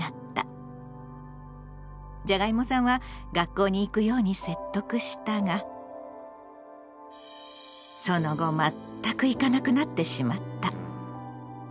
じゃがいもさんは学校に行くように説得したがその後全く行かなくなってしまった。